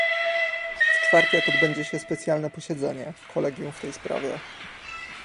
W czwartek odbędzie się specjalne posiedzenie kolegium w tej sprawie